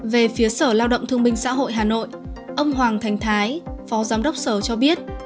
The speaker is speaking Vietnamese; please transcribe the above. về phía sở lao động thương minh xã hội hà nội ông hoàng thành thái phó giám đốc sở cho biết